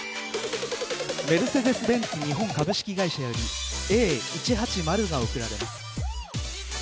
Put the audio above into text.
メルセデス・ベンツ日本株式会社よりＡ１８０が贈られます。